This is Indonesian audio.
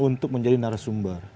untuk menjadi narasumber